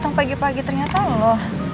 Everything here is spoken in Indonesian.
ternyata pagi ternyata lo